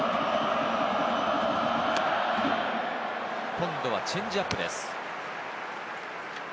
今度はチェンジアップです。